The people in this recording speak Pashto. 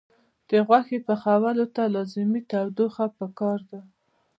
د غوښې پخولو ته لازمي تودوخه پکار ده.